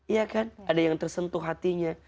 iya kan ada yang tersentuh hatinya